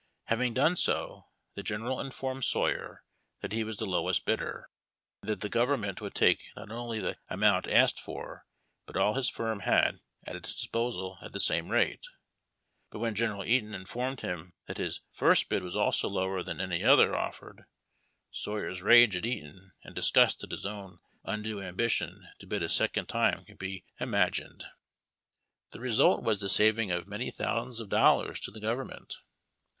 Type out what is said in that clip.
Having done so, the General informed Sawyer that he was the lowest bidder, and that the government would take not only the amount asked for but all his firm had at its disposal at the same rate. But when General Eaton informed him that his firat bid was also lower than any other offered, Sawyei 's rage at Eaton and disgust at his own undue ambition to bid a second time can be imagined. AR3IV RATIONS. 131 The result was the saving of many thousaiuls of doUars to the government.